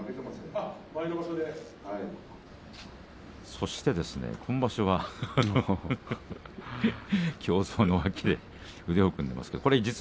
そして今場所は胸像の脇で腕を組んでいますね。